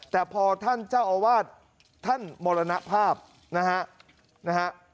แต่พอท่านเจ้าอาวาสท่านมรณภาพนะฮะนะฮะ